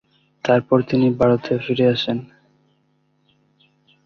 তারপর তিনি ভারতে ফিরে আসেন।